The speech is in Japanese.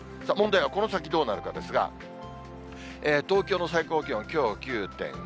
問題はこの先どうなるかですが、東京の最高気温、きょう９．５度。